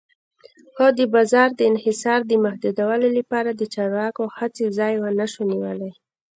خو د بازار د انحصار د محدودولو لپاره د چارواکو هڅې ځای ونشو نیولی.